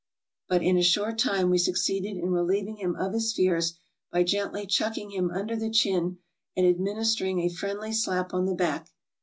But in a short time we succeeded in relieving him of his fears by gently chucking him under the chin, and administering a friendly slap on the back.